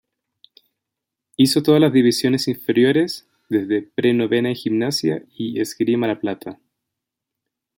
Hizo todas las divisiones inferiores desde Pre Novena en Gimnasia y Esgrima La Plata.